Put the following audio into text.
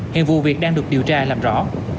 hiện vụ việc đang được điều tra làm rõ